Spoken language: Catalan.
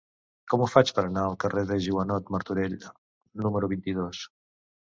Com ho faig per anar al carrer de Joanot Martorell número vint-i-dos?